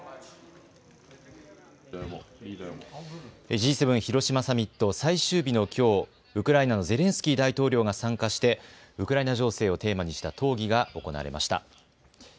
Ｇ７広島サミット最終日のきょうウクライナのゼレンスキー大統領が参加してウクライナ情勢をテーマにした討議が行われました。